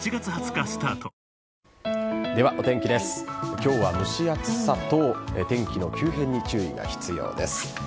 今日は、蒸し暑さと天気の急変に注意が必要です。